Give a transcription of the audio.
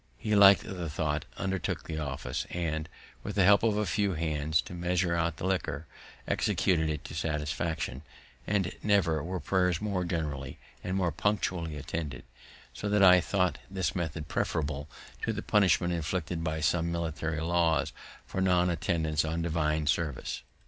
He liked the tho't, undertook the office, and, with the help of a few hands to measure out the liquor, executed it to satisfaction, and never were prayers more generally and more punctually attended; so that I thought this method preferable to the punishment inflicted by some military laws for non attendance on divine service.